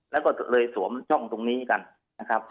แล้วก็เลยสวมช่องตรงนี้กันนะครับ